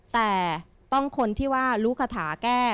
แต่ต้องคนที่ว่ารู้คาถาแก้